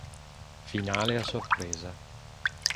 Finale a sorpresa.